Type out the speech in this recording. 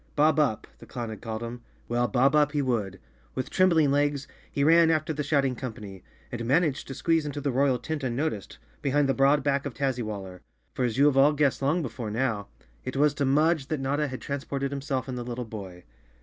"Bob Up," the clown had called him. Well, bob up he would. With trembling legs, he ran after the shout¬ ing company, and managed to squeeze into the royal tent unnoticed, behind the broad back of Tazzywaller. For as you have all guessed long before now, it was to Mudge that Notta had transported himself and the little boy.